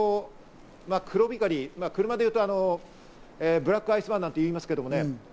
黒光り、車で言うとブラックアイスバーンなんて言いますけどね。